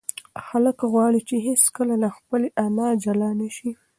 هلک غواړي چې هیڅکله له خپلې انا جلا نشي.